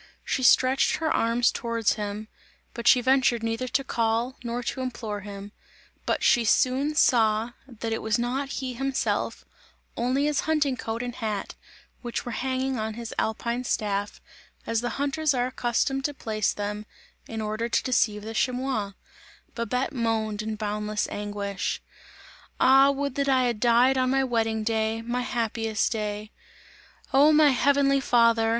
She stretched her arms towards him, but she ventured neither to call, nor to implore him; but she soon saw that it was not he himself, only his hunting coat and hat, which were hanging on his alpine staff, as the hunters are accustomed to place them, in order to deceive the chamois! Babette moaned in boundless anguish: "Ah! would that I had died on my wedding day, my happiest day! Oh! my heavenly Father!